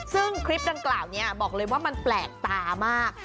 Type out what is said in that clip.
ซึ่งคลิปดังกล่าวนี้บอกเลยว่ามันแปลกตามาก